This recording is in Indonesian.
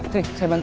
sini saya bantu